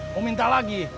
mau minta lagi